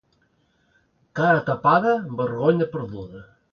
Cara tapada, vergonya perduda.